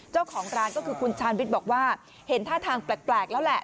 เจ้าของร้านก็คือคุณชาญวิทย์บอกว่าเห็นท่าทางแปลกแล้วแหละ